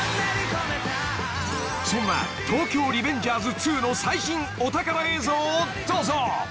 ［そんな『東京リベンジャーズ２』の最新お宝映像をどうぞ］